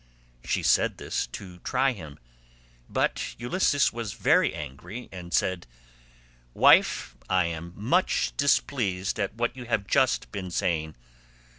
She said this to try him, but Ulysses was very angry and said, "Wife, I am much displeased at what you have just been saying.